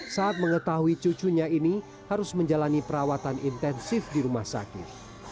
saat mengetahui cucunya ini harus menjalani perawatan intensif di rumah sakit